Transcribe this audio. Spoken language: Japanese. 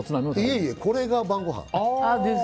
いえいえ、これが晩ごはん。